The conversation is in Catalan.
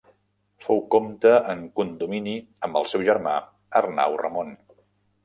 Fou comte en condomini amb el seu germà Arnau Ramon.